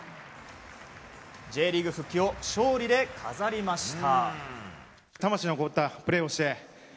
Ｊリーグ復帰を勝利で飾りました。